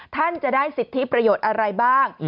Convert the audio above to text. ท่านจะได้สิทธิประโยชน์อะไรบ้าง